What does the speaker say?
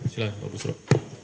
silah pak busroh